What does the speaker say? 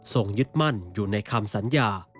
ยึดมั่นอยู่ในคำสัญญา